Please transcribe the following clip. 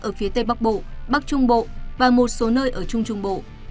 ở phía tây bắc bộ bắc trung bộ và một số nơi ở trung trung bộ